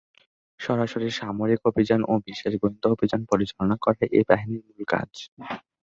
সরাসরি সামরিক অভিযান ও বিশেষ গোয়েন্দা অভিযান পরিচালনা করাই এ বাহিনীর মূল কাজ।